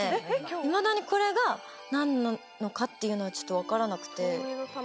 いまだにこれが何なのかっていうのはちょっと分からなくて。